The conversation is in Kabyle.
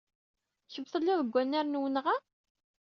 Kemm tellid deg wenrar n wenɣa?